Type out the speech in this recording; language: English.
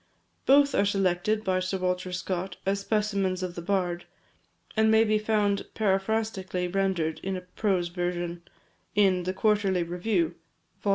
Both are selected by Sir Walter Scott as specimens of the bard, and may be found paraphrastically rendered in a prose version, in the Quarterly Review, vol.